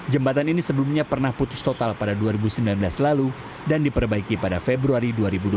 jembatan ini sebelumnya pernah putus total pada dua ribu sembilan belas lalu dan diperbaiki pada februari dua ribu dua puluh